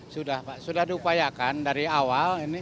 sudah pak sudah diupayakan dari awal